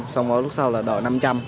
xong rồi lúc sau là đòi năm trăm linh